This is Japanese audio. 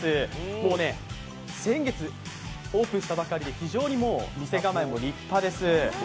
もう先月オープンしたばかりで、非常に店構えも立派です。